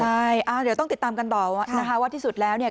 ใช่เดี๋ยวต้องติดตามกันต่อนะคะว่าที่สุดแล้วเนี่ย